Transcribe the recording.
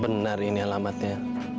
benar ini alamatnya